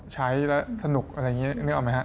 ใช้แล้วสนุกอะไรอย่างนี้นึกออกไหมฮะ